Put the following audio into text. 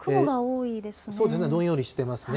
そうですね、どんよりしてますね。